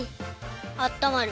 あったまる。